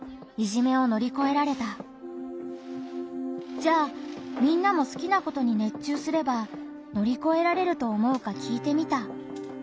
じゃあみんなも好きなことに熱中すれば乗り越えられると思うか聞いてみた。